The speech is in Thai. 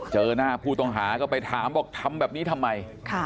เจอหน้าผู้ต้องหาก็ไปถามบอกทำแบบนี้ทำไม